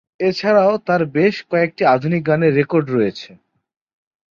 এছাড়াও তার বেশ কয়েকটি আধুনিক গানের রেকর্ড রয়েছে।